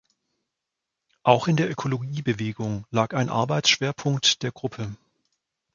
Auch in der Ökologiebewegung lag ein Arbeitsschwerpunkt der Gruppe.